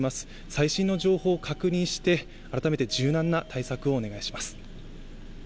最新の情報を確認して改めて柔軟な対策をお願いします。